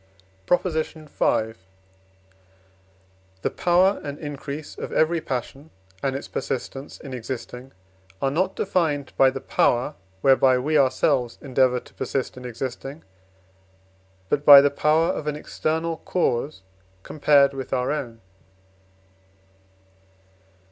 PROP. V. The power and increase of every passion, and its persistence in existing are not defined by the power, whereby we ourselves endeavour to persist in existing, but by the power of an external cause compared with our own.